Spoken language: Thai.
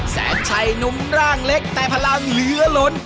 แสนชัยนุ่มร่างเล็กแต่พลังเหลือล้น